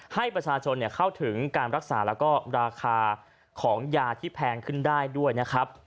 ให้ประชาชนเข้าถึงการรักษาแล้วก็ราคาของยาที่แพงขึ้นได้ด้วยนะครับ